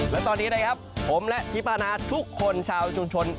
แล้วตอนนี้นะครับผมและทิปะณาทุกคนชาวชุมชนบ้านแหลม